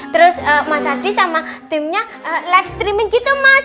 terus mas hadi sama timnya live streaming gitu mas